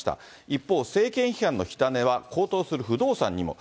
一方、政権批判の火種は高騰する不動産にも。